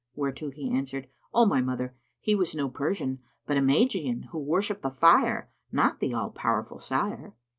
whereto he answered, "O my mother, he was no Persian, but a Magian, who worshipped the fire, not the All powerful Sire."